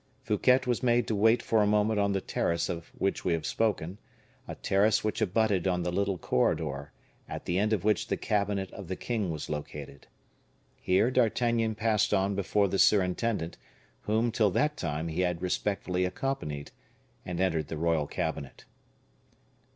Fouquet was made to wait for a moment on the terrace of which we have spoken, a terrace which abutted on the little corridor, at the end of which the cabinet of the king was located. Here D'Artagnan passed on before the surintendant, whom, till that time, he had respectfully accompanied, and entered the royal cabinet.